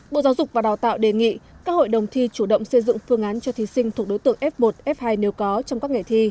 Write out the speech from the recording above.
bộ giáo dục và đào tạo đề nghị các hội đồng thi chủ động xây dựng phương án cho thí sinh thuộc đối tượng f một f hai nếu có trong các ngày thi